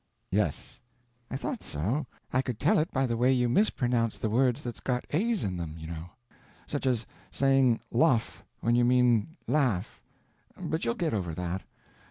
"Yes." "I thought so. I could tell it by the way you mispronounce the words that's got a's in them, you know; such as saying loff when you mean laff —but you'll get over that.